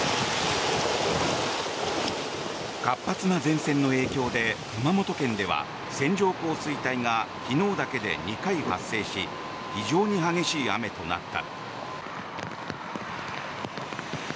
活発な前線の影響で熊本県では線状降水帯が昨日だけで２回発生し非常に激しい雨となった。